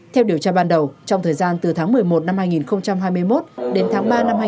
theo điều tra ban đầu trong thời gian từ tháng một mươi một năm hai nghìn hai mươi một đến tháng ba năm hai nghìn hai mươi ba